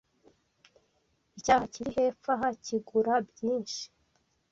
Icyaha kiri hepfo aha kigura byinshi